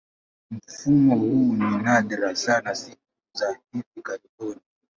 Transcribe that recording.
Mfumo huu ni nadra sana siku za hivi karibuni.